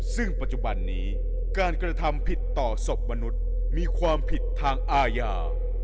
ซึ่งปัจจุบันนี้การกระทำผิดต่อศพมนุษย์มีความผิดทางอาญา